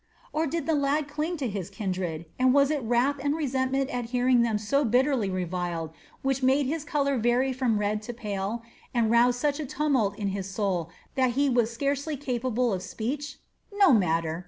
Or did the lad cling to his kindred, and was it wrath and resentment at hearing them so bitterly reviled which made his color vary from red to pale and roused such a tumult in his soul that he was scarcely capable of speech? No matter!